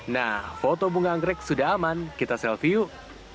nah foto bunga anggrek sudah aman kita selfie yuk